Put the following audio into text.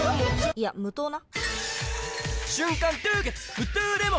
いや無糖な！